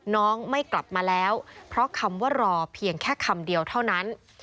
น้องไม่กลับมาแล้วเพราะคำว่ารอเพียงแค่คำเดียวเท่านั้น